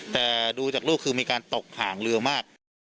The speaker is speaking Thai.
แต่ดูจากลูกคือมีการตกห่างเรือมาก